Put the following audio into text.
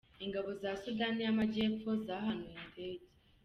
Ingabo za Sudani y’Amajyepfo zahanuye indege